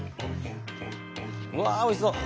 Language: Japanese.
うわおいしそう！